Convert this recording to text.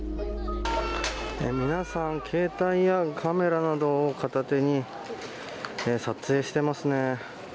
皆さん携帯やカメラなどを片手に撮影していますね。